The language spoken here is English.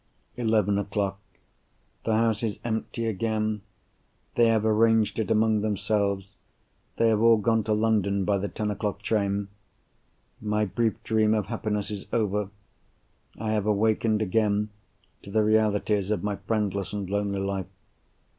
Eleven o'clock.—The house is empty again. They have arranged it among themselves; they have all gone to London by the ten o'clock train. My brief dream of happiness is over. I have awakened again to the realities of my friendless and lonely life.